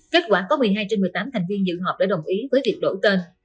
kết quả có một mươi hai trên một mươi tám thành viên dự họp đã đồng ý với việc đổi tên